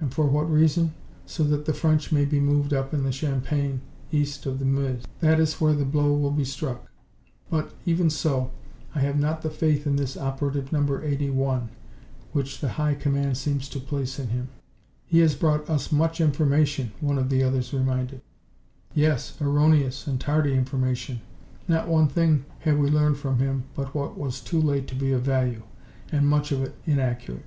And for what reason? So that the French may be moved up in the Champagne, east of the Meuse. That is where the blow will be struck. But, even so, I have not the faith in this Operative Number Eighty one which the High Command seems to place in him." "He has brought us much information," one of the others reminded. "Yes, erroneous and tardy information. Not one thing have we learned from him but what was too late to be of value. And much of it inaccurate."